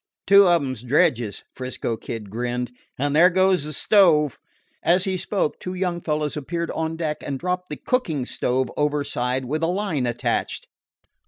"Two of 'em 's dredges," 'Frisco Kid grinned; "and there goes the stove." As he spoke, two young fellows appeared on deck and dropped the cooking stove overside with a line attached.